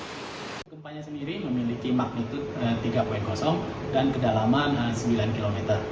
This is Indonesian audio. ketika dikumpulkan gempa tersebut terjadi di wilayah ambarawa kabupaten semarang dan juga kota salatiga dengan kedalaman enam km